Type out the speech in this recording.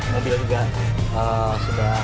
mobil juga sudah